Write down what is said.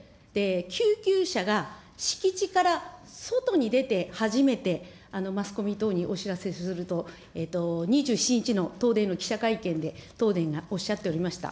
救急車が敷地から外に出て初めてマスコミ等にお知らせすると、２７日の東電の記者会見で東電がおっしゃっておりました。